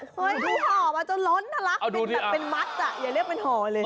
เฮ้ยถุงห่อมาจนร้อนน่ะละเป็นมัสอ่ะอย่าเรียกเป็นห่อเลย